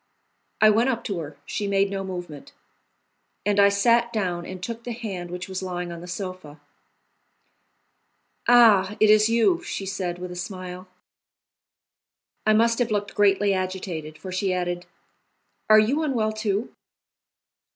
I went up to her; she made no movement, and I sat down and took the hand which was lying on the sofa. "Ah! it is you," she said, with a smile. I must have looked greatly agitated, for she added: "Are you unwell, too?"